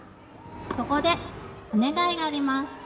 そこで、お願いがあります。